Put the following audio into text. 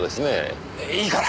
いいから。